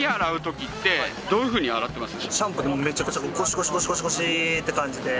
シャンプーでめちゃくちゃゴシゴシゴシゴシって感じで。